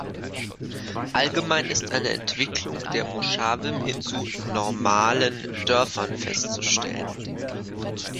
Allgemein ist eine Entwicklung der Moschawim hin zu „normalen“ Dörfern festzustellen.